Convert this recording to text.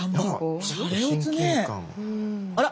あら！